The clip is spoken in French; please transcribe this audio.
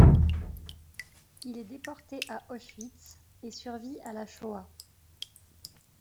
Il est déporté à Auschwitz et survit à la Shoah.